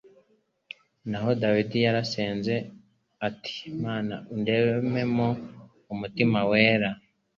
Naho Dawidi we yarasenze ati, ” Mana undememo umutima wera,